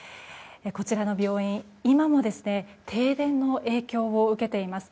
こちらの病院、今も停電の影響を受けています。